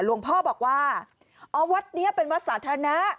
หลวงพ่อบอกว่าอ๋อวัดนี้เป็นวัดสาธารณะ